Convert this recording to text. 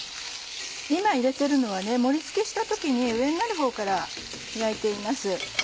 今入れてるのは盛り付けした時に上になるほうから焼いています。